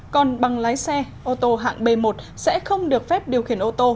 còn bằng lái xe ô tô hạng b một sẽ không được phép điều khiển ô tô